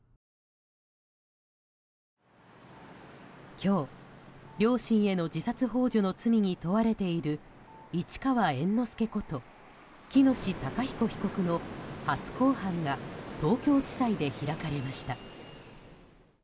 今日、両親への自殺幇助の罪に問われている市川猿之助こと喜熨斗孝彦被告の初公判が東京地裁で開かれました。